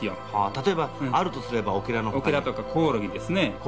例えばあるとすればオケラとオケラとかコオロギですね。